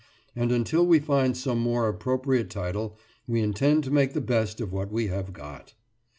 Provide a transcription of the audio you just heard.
And until we find some more appropriate title, we intend to make the best of what we have got.